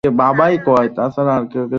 ঠিক আছে, আমি আমার স্বামীর সাথে কথা বলবো।